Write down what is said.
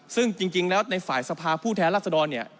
ซึ่งจริงแล้วในฝ่ายสภาผู้แทนรัศดรเนี่ย